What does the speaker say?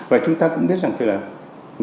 và chúng ta cũng biết rằng